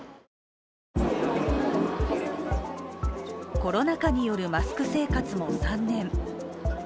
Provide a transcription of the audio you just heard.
コロナ禍によるマスク生活も３年。